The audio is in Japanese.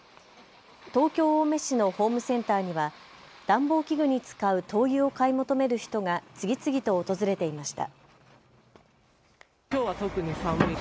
東京青梅市のホームセンターには暖房器具に使う灯油を買い求める人が次々と訪れていました。